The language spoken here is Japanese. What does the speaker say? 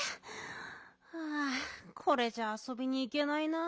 はあこれじゃあそびにいけないな。